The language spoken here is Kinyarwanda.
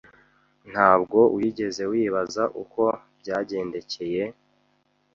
Ntabwo wigeze wibaza uko byagendekeye ?